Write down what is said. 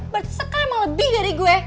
berarti soekar emang lebih dari gue